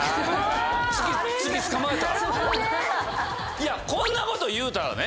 いやこんなこと言うたらね